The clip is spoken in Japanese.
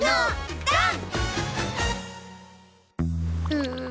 うん。